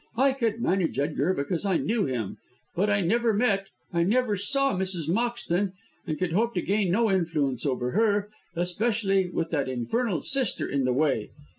I could manage Edgar because I knew him; but I never met, I never saw Mrs. Moxton, and could hope to gain no influence over her, especially with that infernal sister in the way.